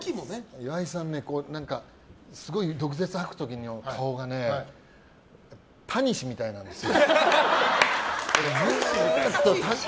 岩井さんねすごい毒舌吐く時の顔がねタニシみたいなんですよ。